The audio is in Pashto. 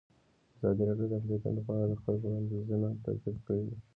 ازادي راډیو د اقلیتونه په اړه د خلکو وړاندیزونه ترتیب کړي.